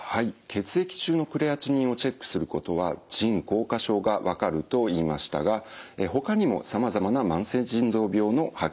血液中のクレアチニンをチェックすることは腎硬化症が分かると言いましたがほかにもさまざまな慢性腎臓病の発見に役立つんです。